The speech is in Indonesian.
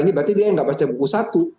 ini berarti dia nggak baca buku satu